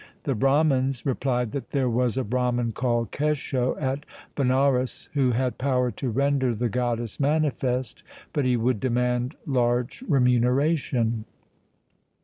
The Brahmans replied that there was a Brahman called Kesho at Banaras who had power to render the goddess manifest, but he would demand large remuneration.